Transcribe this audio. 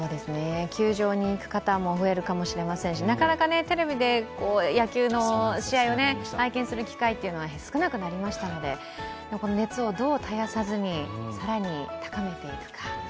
球場に行く方も増えるかもしれませんしなかなかテレビで野球の試合を拝見する機会は少なくなりましたので、この熱をどう絶やさずに、更に高めていくか。